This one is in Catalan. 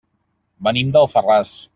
Venim d'Alfarràs.